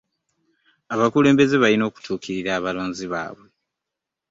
Abakulembeze balina okutukirira abalonzi baabwe.